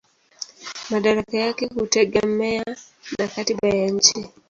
Madaraka yake hutegemea na katiba ya nchi.